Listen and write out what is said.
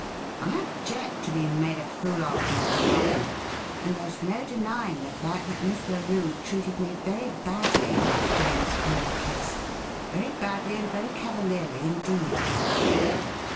I object to being made a fool of, Mr. Narkom; and there's no denying the fact that Miss Larue treated me very badly in that James Colliver case very badly and very cavalierly indeed."